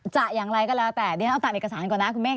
จะอย่างไรก็แล้วแต่เดี๋ยวเราตัดเอกสารก่อนนะคุณเมฆ